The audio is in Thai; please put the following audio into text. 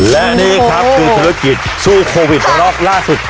และนี่ครับคือธุรกิจสู้โควิดรอบล่าสุด